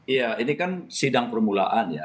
iya ini kan sidang permulaan ya